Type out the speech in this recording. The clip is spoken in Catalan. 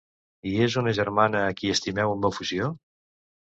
-I és una germana a qui estimeu amb efusió?